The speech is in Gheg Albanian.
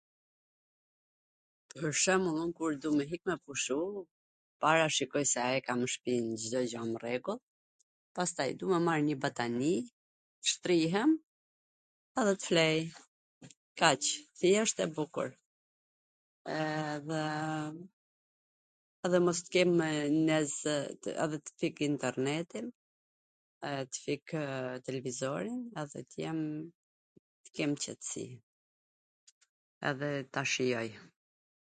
Pwr shwmbull un kur du me hik me pushu, e para shikoj a e kam Cdo gja nw rregull, pastaj du me marr njw batanii, t shtrihem edhe t flej, kaq, thjesht dhe bukur, edhe mos t kem nez... edhe t fik internetin, t fikw televizorin... edhe t jem,,, tw kem qetsi, edhe ta shijoj.